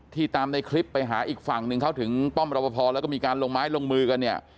ตามในคลิปไปหาอีกฝั่งหนึ่งเขาถึงป้อมรับพอแล้วก็มีการลงไม้ลงมือกันเนี่ย